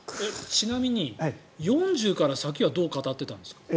ちなみに４０から先はどう語っていたんですか？